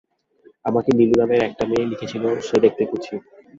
আমাকে নীলু নামের একটি মেয়ে লিখেছিল, সে দেখতে কুৎসিত।